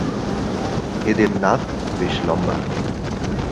এদের নাক বেশ লম্বা।